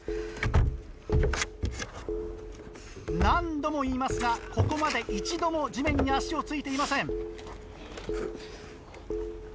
何度も言いますがここまで一度も地面に足をついていません。